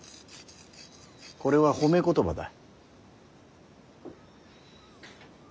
これは褒め言葉だ。